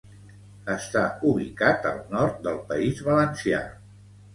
Està ubicat al nord del País Valencià